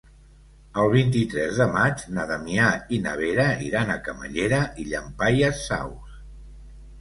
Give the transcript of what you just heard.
El vint-i-tres de maig na Damià i na Vera iran a Camallera i Llampaies Saus.